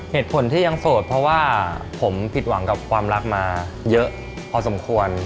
เหตุผลที่ยังโสดเพราะว่าผมผิดหวังกับความรักมาเยอะพอสมควร